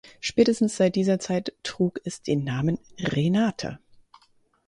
Spätestens seit dieser Zeit trug es den Namen "Renate".